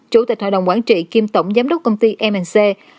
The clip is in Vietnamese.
chủ tịch hội đồng quản trị kiêm tổng giám đốc công ty mc